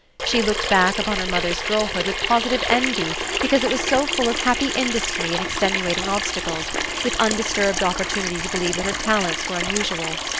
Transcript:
She looked back upon her mother's girlhood with positive envy because it was so full of happy industry and extenuating obstacles, with undisturbed opportunity to believe that her talents were unusual.